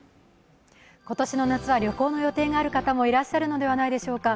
今年の夏は旅行の予定がある方もいらっしゃるのではないでしょうか。